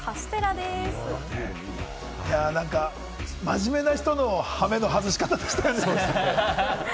なんか真面目な人の羽目の外し方でしたよね。